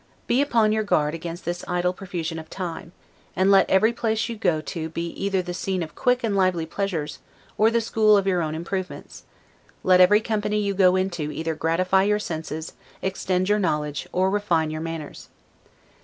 Be upon your guard against this idle profusion of time; and let every place you go to be either the scene of quick and lively pleasures, or the school of your own improvements; let every company you go into either gratify your senses, extend your knowledge, or refine your manners.